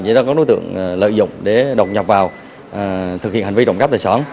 vì đó có đối tượng lợi dụng để đột nhập vào thực hiện hành vi trộm cắp tài xóa